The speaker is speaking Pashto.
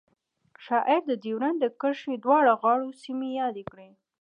شاعر د ډیورنډ د کرښې دواړو غاړو سیمې یادې کړې